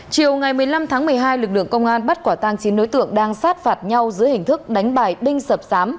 chiều một mươi năm tháng một mươi hai lực lượng công an bắt quả tang chín nối tượng đang sát phạt nhau dưới hình thức đánh bại đinh sập sám